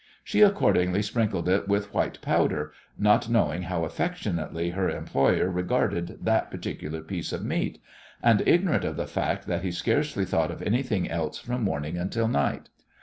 She accordingly sprinkled it with the white powder, not knowing how affectionately her employer regarded that particular piece of meat, and ignorant of the fact that he scarcely thought of anything else from morning until night.